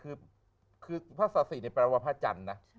คือคือพระสาธิในแปลว่าพระจันทร์นะ